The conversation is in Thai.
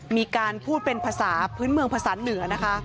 มีการพูดเป็นภาษาพื้นเมืองภาษาเหนือนะคะ